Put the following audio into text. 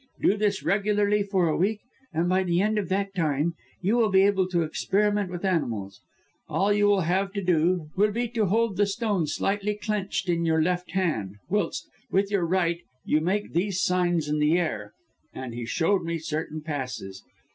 Do this regularly, for a week, and by the end of that time, you will be able to experiment with animals. All you will have to do, will be to hold the stone slightly clenched in your left hand, whilst, with your right, you make these signs in the air,' and he showed me certain passes.